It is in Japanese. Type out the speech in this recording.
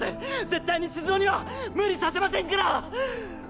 絶対に静雄には無理させませんから！